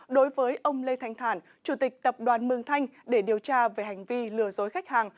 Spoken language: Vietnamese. đối với ông lê thanh thản chủ tịch tập đoàn mường thanh để điều tra về hành vi lừa dối khách hàng